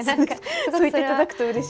そう言っていただくとうれしいです。